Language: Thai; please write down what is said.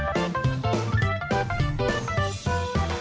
โปรดติดตามตอนต่อไป